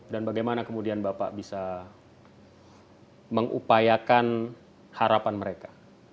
dan bagaimana kemudian bapak bisa mengupayakan harapan mereka